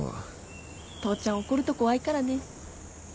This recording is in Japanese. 父ちゃん怒ると怖いからね。